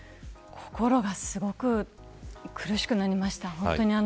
心がすごく苦しくなりました。